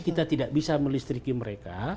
kita tidak bisa melistriki mereka